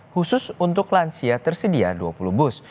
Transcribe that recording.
khusus untuk lansia tersedia dua puluh bus